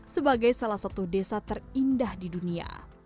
sebagai salah satu desa terindah di dunia